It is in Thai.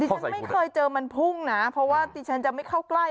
ฉันไม่เคยเจอมันพุ่งนะเพราะว่าดิฉันจะไม่เข้าใกล้